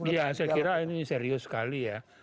ya saya kira ini serius sekali ya